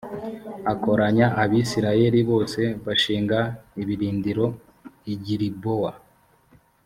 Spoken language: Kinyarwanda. akoranya abisirayeli bose bashinga ibirindiro i gilibowa